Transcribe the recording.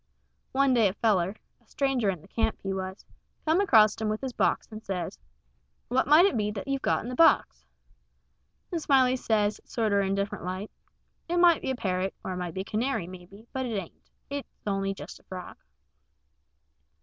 One day a feller a stranger in the camp, he was come acrost him with his box, and says: "What might it be that you've got in the box?" And Smiley says, sorter indifferent like, "It might be a parrot, or it might be a canary, maybe, but it ain't it's only just a frog."